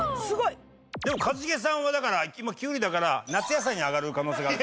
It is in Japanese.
でも一茂さんはだから今キュウリだから夏野菜に上がる可能性がある。